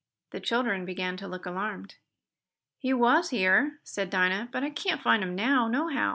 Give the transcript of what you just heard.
The children began to look alarmed. "He was here," said Dinah, "but I can't find him now, nohow.